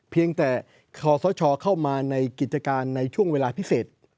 เพียงแต่ขอสชเข้ามาในกิจการในช่วงเวลาพิเศษ